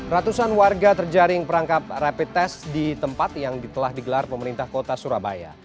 ratusan warga terjaring perangkap rapid test di tempat yang telah digelar pemerintah kota surabaya